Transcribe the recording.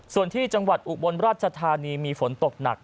ส่วนที่จังหวัดอุบลราชธานีมีฝนตกหนัก